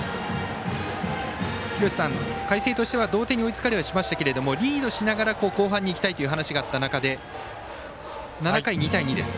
海星としては同点に追いつかれはしましたがリードしながら後半にいきたいという話があった中で７回、２対２です。